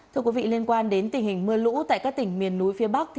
thưa quý vị liên quan đến tình hình mưa lũ tại các tỉnh miền núi phía bắc